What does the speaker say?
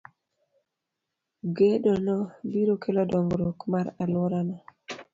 Gedo no biro kelo dongruok mar alworano.